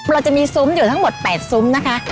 เราจะมีซุ้มอยู่ทั้งหมด๘ซุ้มนะคะ